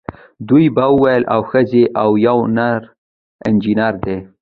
دوی به ویل اوه ښځې او یو نر انجینر دی.